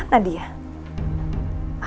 apa yang direncanakan dia